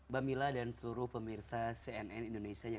bami lah dan seluruh pemirsa cnn indonesia